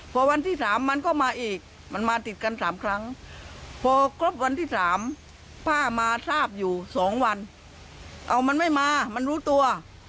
ป้ามาทราบอยู่๒วันเอามันไม่มามันรู้ตัว